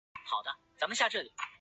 库班国旗是一面水平的三色旗。